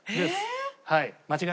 はい。